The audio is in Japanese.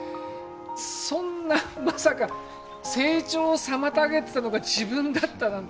そんなまさか成長を妨げてたのが自分だったなんて。